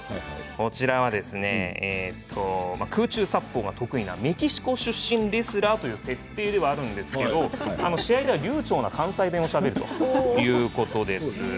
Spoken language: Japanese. こちらは空中殺法が得意なメキシコ出身レスラーという設定ですが試合では流ちょうな関西弁をしゃべっています。